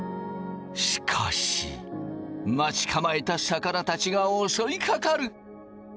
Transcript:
しかし待ち構えた魚たちが襲いかかる。